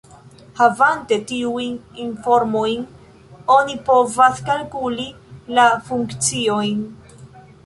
Havante tiujn informojn, oni povas kalkuli la funkciojn.